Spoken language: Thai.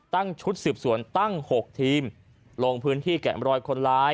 ตั้งชุดสืบสวนตั้ง๖ทีมลงพื้นที่แกะมรอยคนร้าย